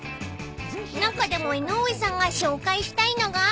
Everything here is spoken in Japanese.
［中でも江上さんが紹介したいのが］